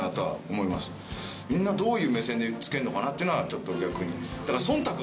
みんなどういう目線でつけるのかなっていうのはちょっと逆にだから。